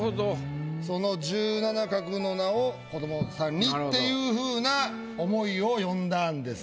その十七画の名を子供さんにっていうふうな思いを詠んだんですが。